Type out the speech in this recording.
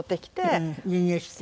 輸入して？